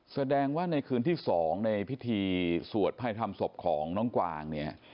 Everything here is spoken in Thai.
แสดงว่าในคืนที่๒ในพิธีสวดพระธรรมศพของน้องกวางเนี่ย